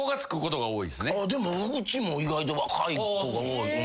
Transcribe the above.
でもうちも意外と若い子が多い。